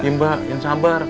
iya mbak yang sabar